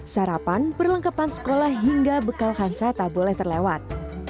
sarapan perlengkapan sekolah hingga bekal hansa tak boleh terlewat